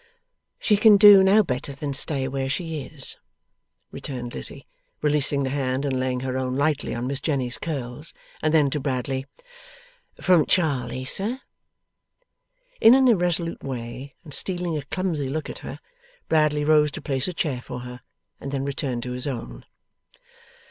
'She can do no better than stay where she is,' returned Lizzie, releasing the hand, and laying her own lightly on Miss Jenny's curls. And then to Bradley: 'From Charley, sir?' In an irresolute way, and stealing a clumsy look at her, Bradley rose to place a chair for her, and then returned to his own.